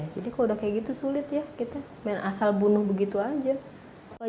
jadi kalau udah kayak gitu sulit ya asal bunuh begitu aja